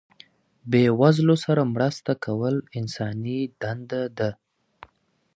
بې وزلو سره مرسته کول انساني دنده ده.